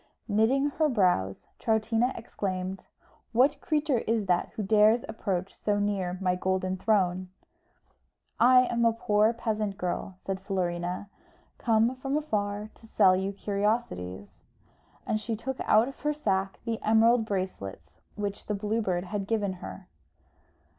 Knitting her brows, Troutina exclaimed, "What creature is that who dares approach so near my golden throne?" "I am a poor peasant girl," said Florina. "I come from afar to sell you curiosities." And she took out of her sack the emerald bracelets which the Blue Bird had given her.